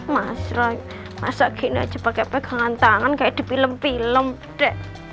masa gini aja pakai pegangan tangan kayak di film film dek